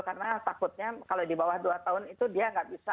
karena takutnya kalau di bawah dua tahun itu dia nggak bisa